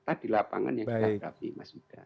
tidak ada kelepangan yang kita hadapi mas yuda